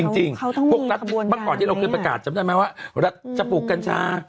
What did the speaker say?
จริงพวกรัฐเมื่อก่อนที่เราเคยประกาศจำได้ไหมว่ารัฐจะปลูกกัญชา